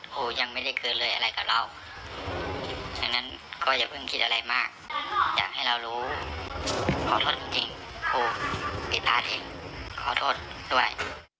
ขอโทษจริงครูกิฟาขอโทษด้วย